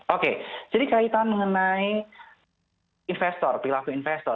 oke jadi kaitan mengenai investor perilaku investor